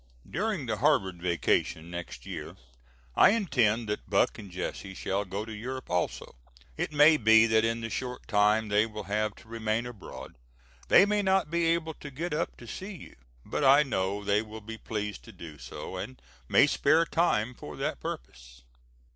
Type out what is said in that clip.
During the Harvard vacation, next year, I intend that Buck and Jesse shall go to Europe also. It may be that in the short time they will have to remain abroad they may not be able to get up to see you, but I know they will be pleased to do so, and may spare time for that purpose.